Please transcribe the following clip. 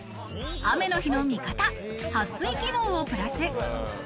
雨の日の見方、撥水機能をプラス。